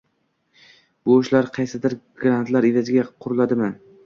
bu ishlar qaysidir grantlar evaziga quriladimi